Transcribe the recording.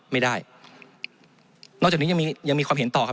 ไม่ได้นอกจากนี้ยังมียังมีความเห็นต่อครับ